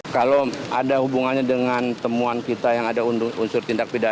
kalau ada hubungannya dengan temuan kita yang ada unsur tindak pidana